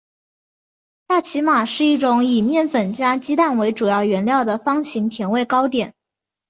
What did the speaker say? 萨其马是一种以面粉加鸡蛋为主要原料的方形甜味糕点。